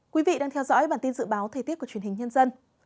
quý vị đang theo dõi bản tin dự báo thời tiết của truyền hình nhân dân